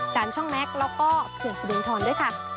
ด่านช่องแม็กซ์แล้วก็เผื่อนศูนย์ธรรมด้วยค่ะ